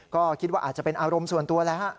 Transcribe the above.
ก็คิดว่าอาจจะเป็นอารมณ์ส่วนตัวแล้วฮะ